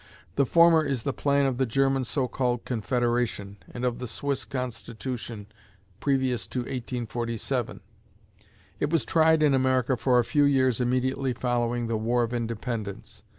The former is the plan of the German so called Confederation, and of the Swiss Constitution previous to 1847. It was tried in America for a few years immediately following the War of Independence.